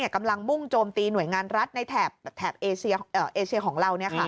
กำลังมุ่งโจมตีหน่วยงานรัฐในแถบเอเชียของเรา